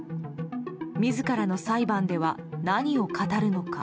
自らの裁判では何を語るのか。